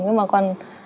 nhưng mà còn